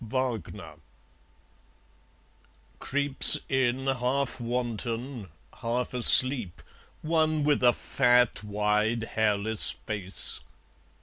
Wagner Creeps in half wanton, half asleep, One with a fat wide hairless face.